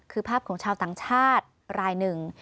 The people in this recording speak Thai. คือภาพของชาวต่างชาติรายหนึ่ง